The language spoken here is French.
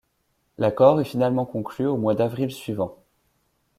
L'accord est finalement conclu au moins d'avril suivant.